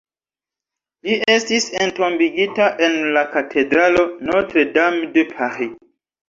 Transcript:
Li estis entombigita en la katedralo Notre-Dame de Paris.